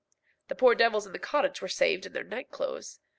The poor devils in the cottage were saved in their night clothes.